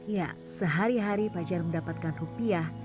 ya sehari hari fajar mendapatkan rupiah